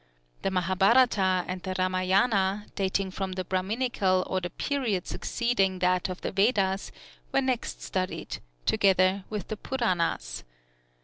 The Mahabharata and the Ramayana, dating from the Brahminical or the period succeeding that of the Vedas, were next studied, together with the Puranas.